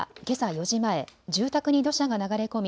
４時前住宅に土砂が流れ込み